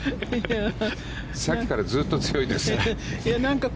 さっきからずっと強いですって。